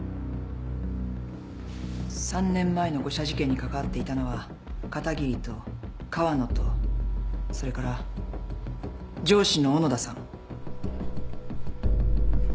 ３年前の誤射事件にかかわっていたのは片桐と川野とそれから上司の小野田さん。